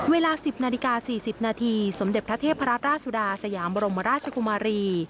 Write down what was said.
เวลา๑๐นาฬิกา๔๐นาทีสมเด็จพระเทพรัตราชสุดาสยามบรมราชกุมารี